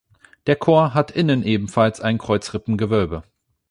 Der Chor hat innen ebenfalls ein Kreuzrippengewölbe.